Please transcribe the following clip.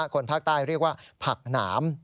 คนภาคใต้เรียกว่าผักหนาม